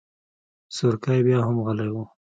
سورکی بياهم غلی و.